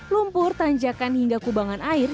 lumpur tanjakan hingga kubangan air